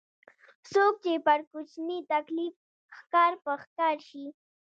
څوک چې پر کوچني تکليف ښکر په ښکر شي.